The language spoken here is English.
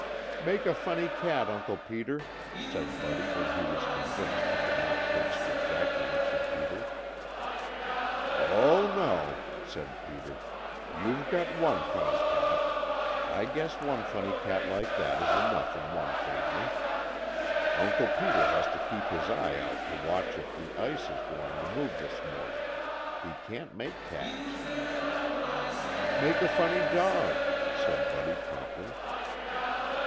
"Make a funny cat, Uncle Peter," said Buddy when he was convinced he could not coax the jack knife from Peter. "Oh, no!" said Peter. "You've got one funny cat. I guess one funny cat like that is enough in one family. Uncle Peter has to keep his eye out to watch if the ice is going to move this morning. He can't make cats." "Make a funny dog," said Buddy promptly.